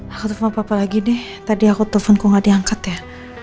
aku telfon papa lagi deh tadi aku telepon kok gak diangkat ya